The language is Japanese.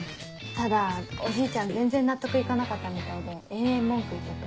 ただおじいちゃん全然納得行かなかったみたいで延々文句言ってて。